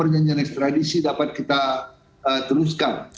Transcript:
perjanjian ekstradisi dapat kita teruskan